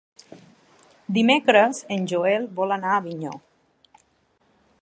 Dimecres en Joel vol anar a Avinyó.